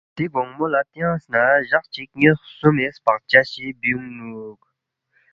دِی گونگمو لہ تیانگس نہ جق چی نِ٘یس خسُومی سپقچس چی بیُونگنُوک